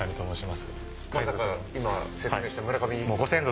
まさか今説明した村上？